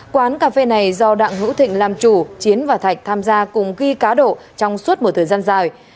quán cà phê này do đặng hữu thịnh làm chủ chiến và thạch tham gia cùng ghi cá độ trong suốt một thời gian dài